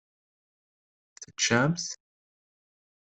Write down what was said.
Teččam-t?